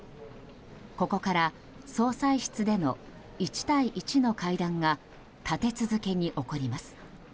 ここから総裁室での１対１の会談が立て続けに起こります。